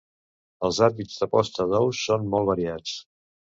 Els hàbits de posta d'ous són molt variats.